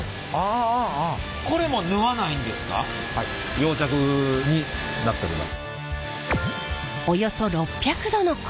溶着になっております。